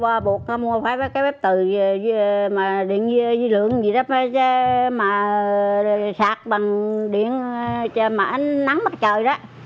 mà cuối cùng thì nó kêu bà bột mua cái bếp từ mà điện dư lượng gì đó mà sạc bằng điện cho mảnh nắng mặt trời đó